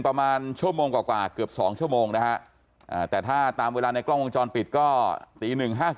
ประมาณชั่วโมงกว่าเกือบ๒ชั่วโมงนะฮะแต่ถ้าตามเวลาในกล้องวงจรปิดก็ตี๑๕๓